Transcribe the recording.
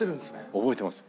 覚えてますよ。